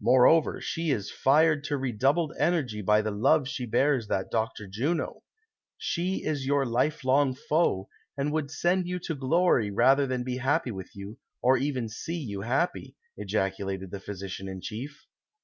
Moreover, she is fired to re doubled energy by the love she bears that Dr. Juno. She is your life long foe, and would send yon to glory, rather than be happy with you, or even see you happy," ejacu lated the physician in chief.